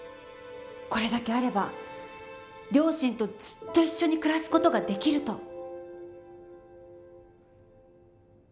これだけあれば両親とずっと一緒に暮らす事ができると。